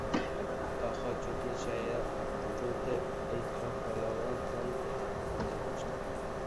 Daho cho‘pni shaylab turdi. Intiho, polapon tag‘in og‘zini ochdi.